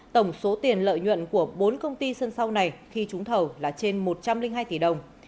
tổng số tiền lợi nhuận của bốn công ty sân sau này khi trúng thầu là trên một trăm linh hai tỷ đồng